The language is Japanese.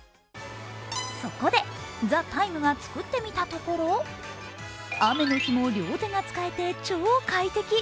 そこで「ＴＨＥＴＩＭＥ，」が作ってみたところ、雨の日も両手が使えて超快適。